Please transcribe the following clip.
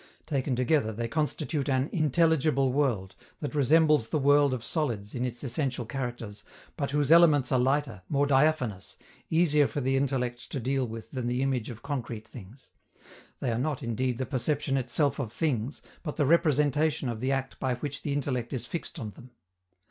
Taken together, they constitute an "intelligible world," that resembles the world of solids in its essential characters, but whose elements are lighter, more diaphanous, easier for the intellect to deal with than the image of concrete things: they are not, indeed, the perception itself of things, but the representation of the act by which the intellect is fixed on them.